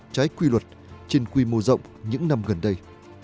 trái quy luật trên quy mô rộng những năm gần đây